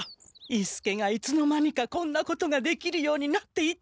伊助がいつの間にかこんなことができるようになっていたなんて。